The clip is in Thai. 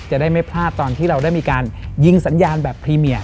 จะได้ไม่พลาดตอนที่เราได้มีการยิงสัญญาณแบบพรีเมีย